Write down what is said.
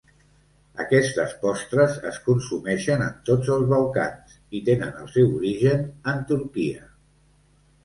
Aquestes postres es consumeixen en tots els Balcans, i tenen el seu origen en Turquia.